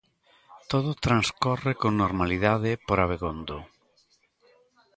Todo transcorre con normalidade por Abegondo.